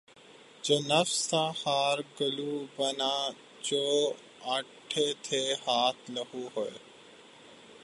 جو نفس تھا خار گلو بنا جو اٹھے تھے ہاتھ لہو ہوئے